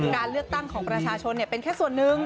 การเลือกตั้งของประชาชนเป็นแค่ส่วนหนึ่ง